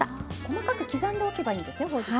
細かく刻んでおけばいいんですねほうじ茶。